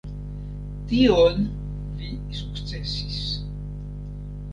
Tion vi sukcesis.